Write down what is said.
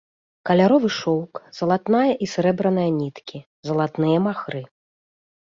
Каляровы шоўк, залатная і срэбраная ніткі, залатныя махры.